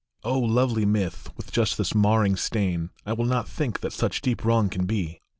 Oh, lovely myth, with just this marring stain ! I will not think that such deep wrong can be.